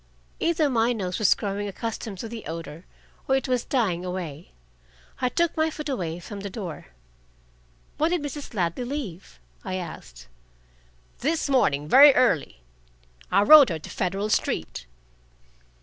Either my nose was growing accustomed to the odor, or it was dying away: I took my foot away from the door. "When did Mrs. Ladley leave?" I asked. "This morning, very early. I rowed her to Federal Street."